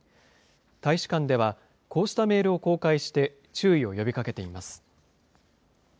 大使館では、こうしたメールを公開して、注意を呼びかけています。